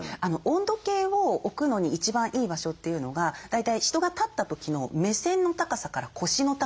温度計を置くのに一番いい場所というのが大体人が立った時の目線の高さから腰の高さぐらいまでの間。